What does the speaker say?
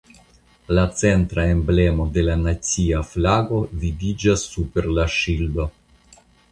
La centra emblemo de la nacia flago vidiĝas super la ŝildo.